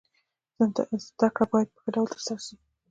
زده کړه باید په ښه ډول سره تر سره سي.